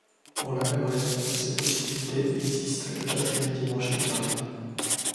Pour la même raison cette possibilité existe le quatrième dimanche de Carême.